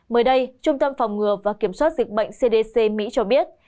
mới đây trung tâm phòng ngừa và kiểm soát dịch bệnh cdc mỹ cho biết